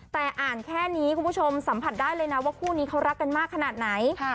แต่อ่านแค่นี้คุณผู้ชมสัมผัสได้เลยนะว่าคู่นี้เขารักกันมากขนาดไหน